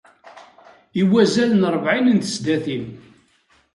I wazal n rebεin n tesdatin.